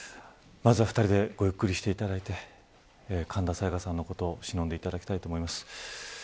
まずは２人でごゆっくりしていただいて神田沙也加さんのことをしのんでいただきたいと思います。